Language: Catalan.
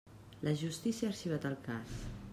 La justícia ha arxivat el cas.